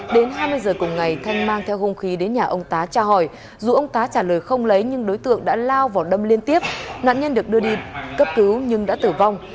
đến hai mươi giờ cùng ngày thanh mang theo hung khí đến nhà ông tá tra hỏi dù ông tá trả lời không lấy nhưng đối tượng đã lao vào đâm liên tiếp nạn nhân được đưa đi cấp cứu nhưng đã tử vong